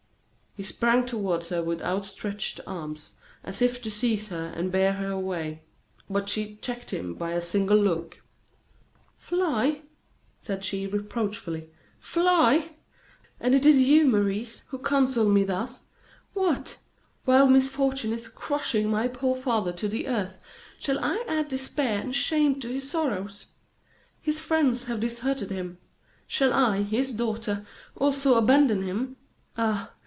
He sprang toward her with outstretched arms, as if to seize her and bear her away; but she checked him by a single look. "Fly!" said she, reproachfully; "fly! and is it you, Maurice, who counsel me thus? What! while misfortune is crushing my poor father to the earth, shall I add despair and shame to his sorrows? His friends have deserted him; shall I, his daughter, also abandon him? Ah!